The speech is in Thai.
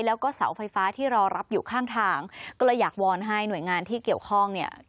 แล้วก็เสาไฟฟ้าที่รอรับอยู่ข้างทางก็เลยอยากวอนให้หน่วยงานที่เกี่ยวข้องเนี่ย